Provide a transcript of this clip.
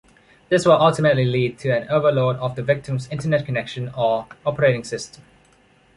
This will ultimately lead to an overload of the victim's internet connection or operating system.